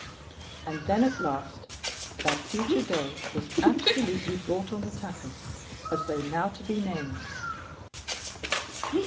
And then, at last, that future day was absolutely brought on the tapis as though now to be named.